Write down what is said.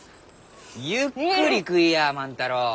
ゆっくり食いや万太郎！